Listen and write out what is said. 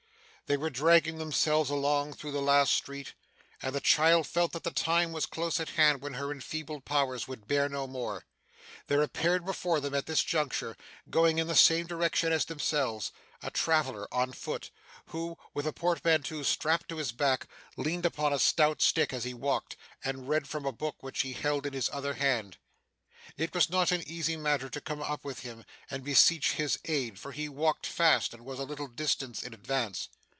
They were dragging themselves along through the last street, and the child felt that the time was close at hand when her enfeebled powers would bear no more. There appeared before them, at this juncture, going in the same direction as themselves, a traveller on foot, who, with a portmanteau strapped to his back, leaned upon a stout stick as he walked, and read from a book which he held in his other hand. It was not an easy matter to come up with him, and beseech his aid, for he walked fast, and was a little distance in advance.